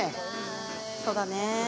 そうだね。